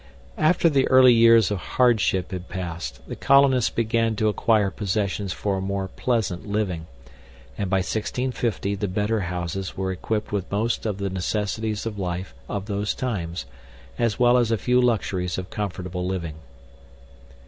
After the early years of hardship had passed, the colonists began to acquire possessions for a more pleasant living; and by 1650 the better houses were equipped with most of the necessities of life of those times, as well as a few luxuries of comfortable living.